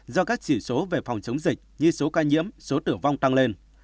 do các chỉ số về phòng chống dịch như số ca nhiễm số tử vong tăng lên